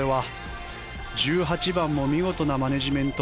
１８番も見事なマネジメント。